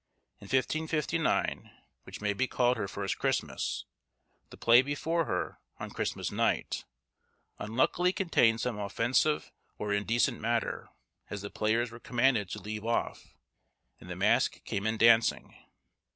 In 1559, which may be called her first Christmas, the play before her, on Christmas Night, unluckily contained some offensive or indecent matter, as the players were commanded to leave off, and the mask came in dancing.